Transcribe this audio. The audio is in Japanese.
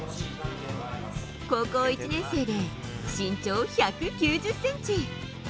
高校１年生で身長１９０ｃｍ。